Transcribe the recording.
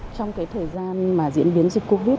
trong cái thời gian mà diễn biến dịch covid